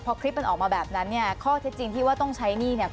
พอคลิปมันออกมาแบบนั้นเนี่ยข้อเท็จจริงที่ว่าต้องใช้หนี้เนี่ย